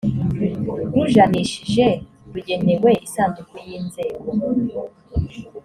rujanishije rugenewe isanduku y inzego